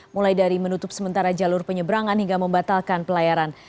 mulai dari menutup sementara jalur penyeberangan hingga membatalkan pelayaran